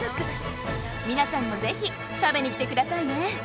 皆さんもぜひ食べにきてくださいね。